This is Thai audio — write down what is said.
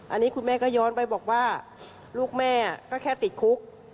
อันนี้คุณแม่ก็ย้อนไปบอกว่าลูกแม่ก็แค่ติดคุก